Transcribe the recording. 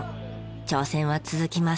挑戦は続きます。